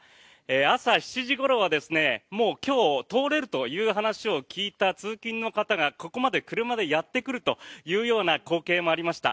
朝７時ごろはもう今日通れるという話を聞いた通勤の方がここまで車でやってくるというような光景もありました。